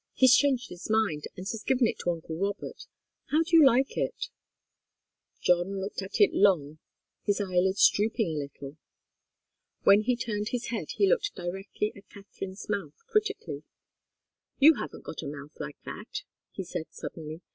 "He's changed his mind, and has given it to uncle Robert. How do you like it?" John looked at it long, his eyelids drooping a little. When he turned his head, he looked directly at Katharine's mouth critically. "You haven't got a mouth like that," he said, suddenly.